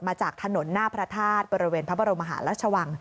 มาจากถนนหน้าพระธาตุบริเวณพระบรมหาราชวัง